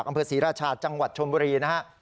อำเภอศรีราชาจังหวัดชมบุรีนะครับ